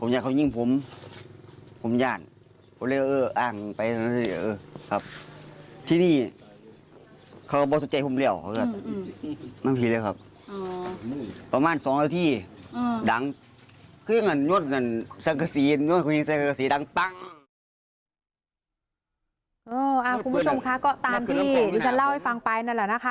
คุณผู้ชมคะก็ตามที่ที่ฉันเล่าให้ฟังไปนั่นแหละนะคะ